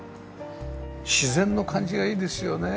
自然の感じがいいですよね。